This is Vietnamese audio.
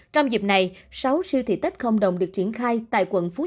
trong dịp này sáu siêu thị tết không đồng được triển khai